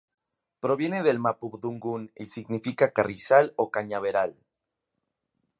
Proviene del mapudungun, y significa "carrizal" o "cañaveral".